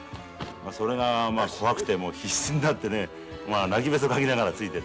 それがまあ怖くてもう必死になってね泣きべそかきながらついてった。